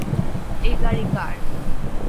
এই গাড়ি কার?